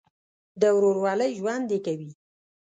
د ورورولۍ ژوند دې کوي.